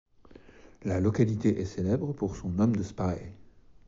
La localité est célèbre pour son Homme de Spy.